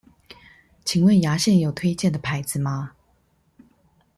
請問牙線有推薦的牌子嗎？